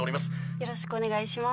よろしくお願いします。